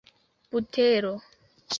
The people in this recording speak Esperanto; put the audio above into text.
butero